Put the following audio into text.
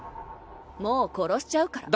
もう殺しちゃうから。